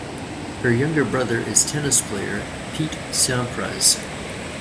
Her younger brother is tennis player Pete Sampras.